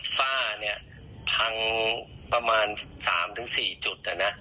ฝ้าเนี่ยพังประมาณ๓๔จุดนะนะ